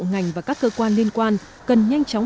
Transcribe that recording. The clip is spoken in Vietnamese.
ngành và các cơ quan liên quan cần nhanh chóng